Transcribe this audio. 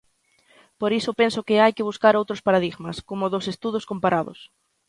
Por iso penso que hai que buscar outros paradigmas, como dos estudos comparados.